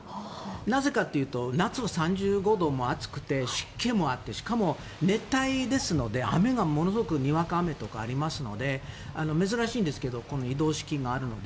なぜかというと夏が３５度もあって湿気もあってしかも熱帯ですのでにわか雨とかありますので珍しいですけどこの移動式があるので。